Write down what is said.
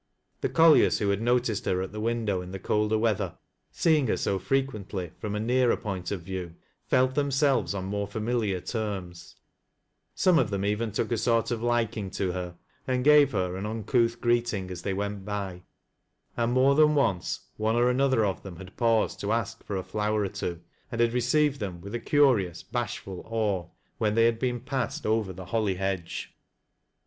The colliers who had noticed her at the window in the colder weather, seeing her so frequently irom a nearei point of view, felt themselves on more familiar terms, Some of them even took a sort of liking to her, and gave her an uncouth greeting as they went by; and, racie than once, one or another of them had paused tc ask foi a flower or two, and had received them with a curioue bashful awe, when thev had been passed over the holh 11 edge.